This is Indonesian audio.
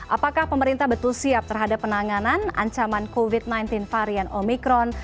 apakah pemerintah betul siap terhadap penanganan ancaman covid sembilan belas varian omikron